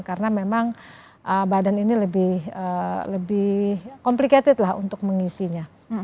karena memang badan ini lebih complicated lah untuk mengisinya